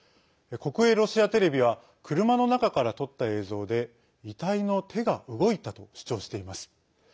国営ロシアテレビは車の中から撮った映像で遺体の手が動いたと主張しています。